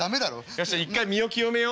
よし一回身を清めよう。